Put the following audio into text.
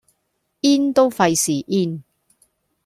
in 都費事 in